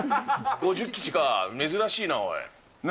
５０吉か、珍しいな、おい。